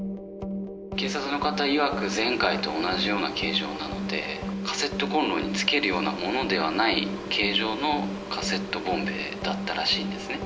警察の方いわく、前回と同じような形状なので、カセットコンロに付けるようなものではない形状のカセットボンベだったらしいんですね。